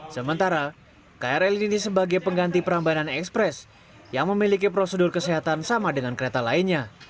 sementara krl ini sebagai pengganti perambanan ekspres yang memiliki prosedur kesehatan sama dengan kereta lainnya